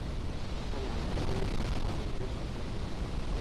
但两人仍然无法有任何结果。